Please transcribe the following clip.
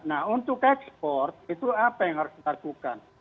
nah untuk ekspor itu apa yang harus kita lakukan